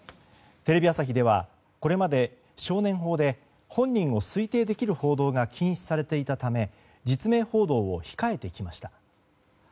テレビ朝日ではこれまで少年法で本人を推定できる報道が禁止されていたため実名報道を控えてきました。